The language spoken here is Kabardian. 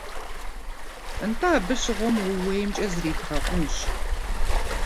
НтӀэ абы щыгъуэм ууеймкӀэ зридгъэкъунщ.